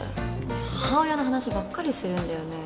母親の話ばっかりするんだよね。